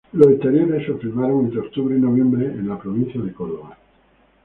Los exteriores se filmaron entre octubre y noviembre en la provincia de Córdoba.